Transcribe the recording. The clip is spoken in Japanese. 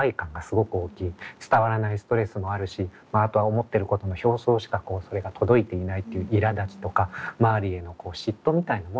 伝わらないストレスもあるしあとは思ってることの表層しかそれが届いていないっていういらだちとか周りへの嫉妬みたいなものもある。